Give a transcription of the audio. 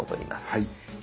はい。